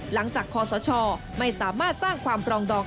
คอสชไม่สามารถสร้างความปรองดอง